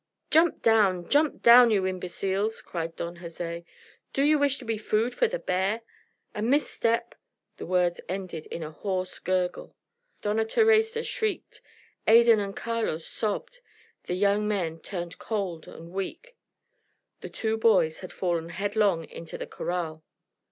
"Jump down! Jump down, you imbeciles!" cried Don Jose. "Do you wish to be food for the bear? A misstep " The words ended in a hoarse gurgle. Dona Theresa shrieked. Adan and Carlos sobbed. The young men turned cold and weak. The two boys had fallen headlong into the corral.